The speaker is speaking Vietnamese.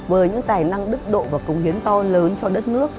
với những tài năng đức độ và cống hiến to lớn cho đất nước